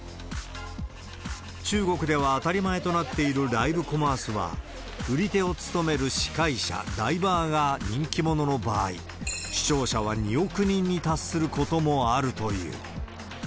中国では当たり前となっているライブコマースは、売り手を務める司会者・ライバーが人気者の場合、視聴者は２億人に達することもあるという。